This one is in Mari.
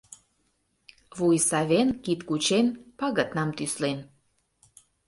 Вуй савен, кид кучен, пагытнам тӱслен